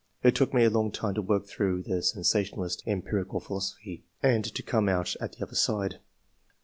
It took me a long time to work through the sensationalist, em pirical philosophy, and to come out at the other side."